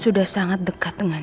udah sangat dekat dengan